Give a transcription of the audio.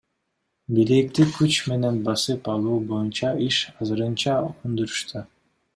Бийликти күч менен басып алуу боюнча иш азырынча өндүрүштө.